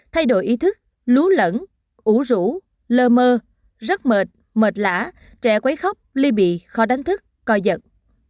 bảy thay đổi ý thức lú lẫn ủ rũ lờ mơ rất mệt mệt lã trẻ quấy khóc ly bị khó đánh thức coi giật